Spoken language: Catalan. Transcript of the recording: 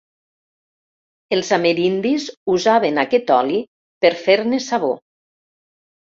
Els amerindis usaven aquest oli per fer-ne sabó.